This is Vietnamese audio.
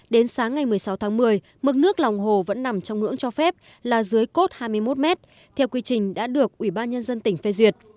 đến sáng ngày một mươi sáu tháng một mươi mực nước lòng hồ vẫn nằm trong ngưỡng cho phép là dưới cốt hai mươi một m theo quy trình đã được ubnd tỉnh phê duyệt